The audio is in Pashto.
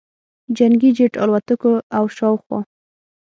جنګي جټ الوتکو او شاوخوا